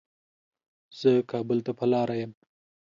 زه کابل ته په لاره يم